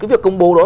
cái việc công bố đó